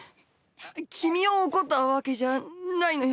君を怒ったわけじゃないのよ。